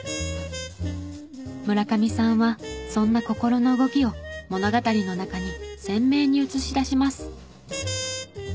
村上さんはそんな心の動きを物語の中に鮮明に映し出します。